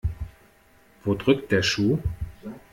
Wo drückt der Schuh?